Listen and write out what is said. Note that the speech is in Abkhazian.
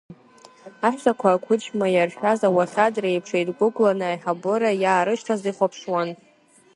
Аҳәсақәа ақәыџьма иаршәаз ауахьад реиԥш еидгәыгәланы аиҳабыра иаарышьҭыз ихәаԥшуан.